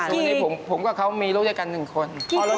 สู่วันนี้ผมกับเขามีลูกด้วยกันหนึ่งคน